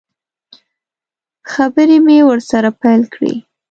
خبرې مې ورسره پیل کړې.